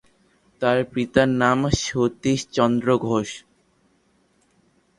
তার পিতার নাম সতীশচন্দ্র ঘোষ।